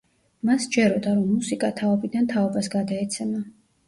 მას სჯეროდა, რომ მუსიკა თაობიდან თაობას გადაეცემა.